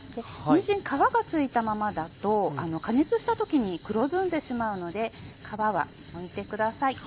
にんじん皮が付いたままだと加熱した時に黒ずんでしまうので皮はむいてください。